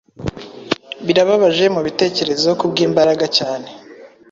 Birababaje mubitekerezo Kubwimbaraga cyane